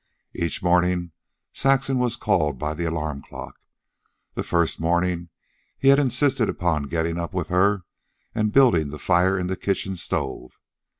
Each morning Saxon was called by the alarm clock. The first morning he had insisted upon getting up with her and building the fire in the kitchen stove.